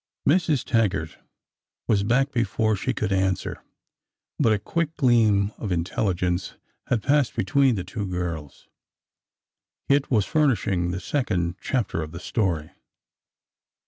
Mrs. Taggart was back before she could answer, but a quick gleam of intelligence had passed between the two girls. Kit was furnishing the second chapter of the story.